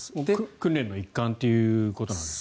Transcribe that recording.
訓練の一環ということなんですか。